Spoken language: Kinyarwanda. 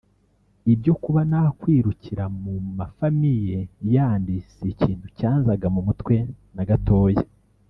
Ibyo kuba nakwirukira mu ma famille yandi si ikintu cyanzaga mu mutwe na gatoya